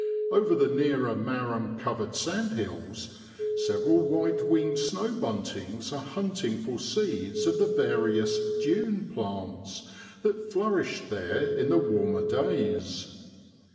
Over the nearer marrum covered sand hills several white winged snowbuntings are hunting for seeds of the various ' dune ' plants that flourished there in the warmer days.